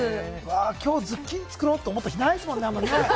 きょうズッキーニ作ろう！って思った日はないですもんね。